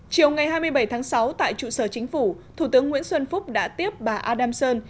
chiều ngày hai mươi bảy tháng sáu tại trụ sở chính phủ thủ tướng nguyễn xuân phúc đã tiếp bà adam sơn